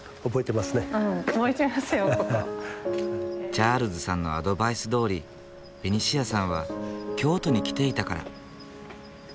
チャールズさんのアドバイスどおりベニシアさんは京都に来ていたから。